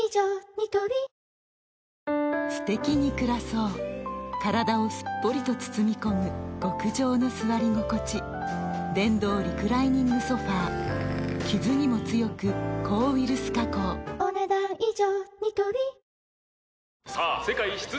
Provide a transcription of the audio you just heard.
ニトリすてきに暮らそう体をすっぽりと包み込む極上の座り心地電動リクライニングソファ傷にも強く抗ウイルス加工お、ねだん以上。